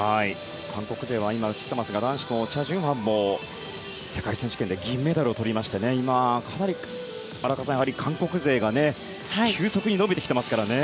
韓国勢は男子のチャ・ジュンファンも世界選手権で銀メダルをとりまして今、かなり韓国勢が急速に伸びてきてますからね。